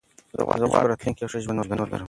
زه غواړم چې په راتلونکي کې یو ښه ژوند ولرم.